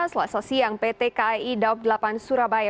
selasa siang pt kai daob delapan surabaya